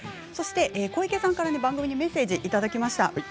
そして小池さんから番組にメッセージをいただきました。